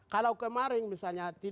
kalau kemarin misalnya